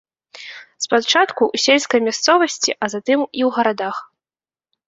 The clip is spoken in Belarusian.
Спачатку ў сельскай мясцовасці, а затым і ў гарадах.